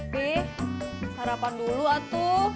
pih sarapan dulu atu